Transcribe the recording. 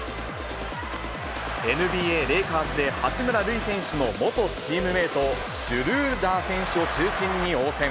ＮＢＡ・レイカーズで八村塁選手の元チームメート、シュルーダー選手を中心に応戦。